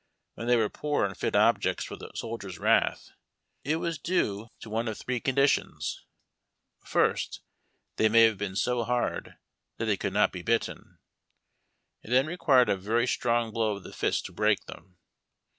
When they were poor and fit objects for the soldiers' wrath, it was due to one 114 HARD TACK AND COFFEE. of three conditions : First, they may have been so hard that they could not be bitten ; it then required a very strong blow of the fist to break them.